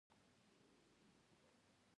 د خلکو سره ښه اخلاق غوره کړه.